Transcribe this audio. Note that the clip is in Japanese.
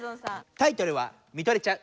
タイトルは「見とれちゃう」。